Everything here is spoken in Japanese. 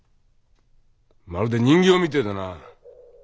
まるで人形みてえだな。